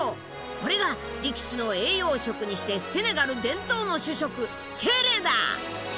これが力士の栄養食にしてセネガル伝統の主食チェレだ！